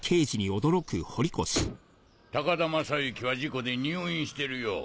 高田正幸は事故で入院してるよ。